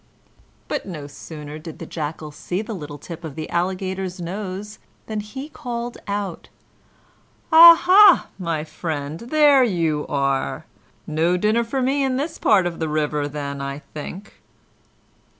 But no sooner did the Jackal see the little tip of the Alligator's nose than he called out, "Aha, my friend! there you are. No dinner for me in this part of the river, then, I think."